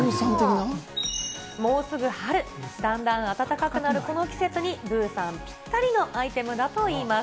もうすぐ春、だんだん暖かくなるこの季節に、ブーサンぴったりのアイテムだといいます。